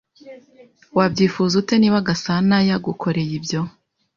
Wabyifuza ute niba Gasanayagukoreye ibyo?